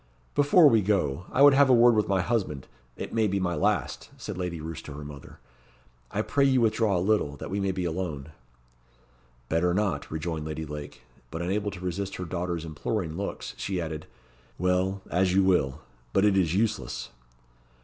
"Before we go, I would have a word with my husband it may be my last," said Lady Roos to her mother. "I pray you withdraw a little, that we may be alone." "Better not," rejoined Lady Lake. But unable to resist her daughter's imploring looks, she added, "Well, as you will. But it is useless."